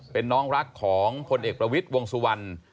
เป็นน้องรักของพลเอกประวิทย์วงสุวรรณ